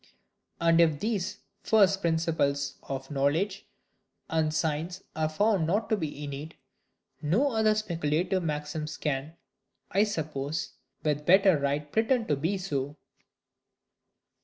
And if THESE "first principles" of knowledge and science are found not to be innate, no OTHER speculative maxims can (I suppose), with better right pretend to be so.